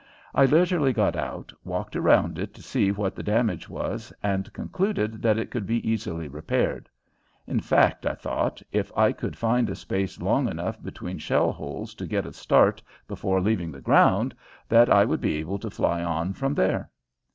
I leisurely got out, walked around it to see what the damage was, and concluded that it could be easily repaired. In fact, I thought, if I could find a space long enough between shell holes to get a start before leaving the ground, that I would be able to fly on from there.